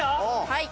はい。